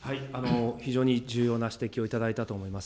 非常に重要な指摘をいただいたと思います。